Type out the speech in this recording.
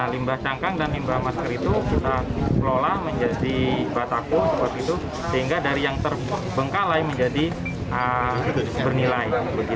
limbah cangkang dan limbah masker itu kita kelola menjadi bataku sehingga dari yang terbengkalai menjadi bernilai